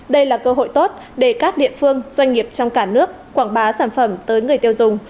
đây là cơ hội tốt để các địa phương doanh nghiệp trong cả nước quảng bá sản phẩm tới người tiêu dùng